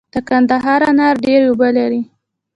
د کندهار انار ډیرې اوبه لري.